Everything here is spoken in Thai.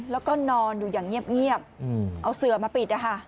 แล้วก็นอนอยู่อย่างเงียบเอาเสือมาปิดนะคะ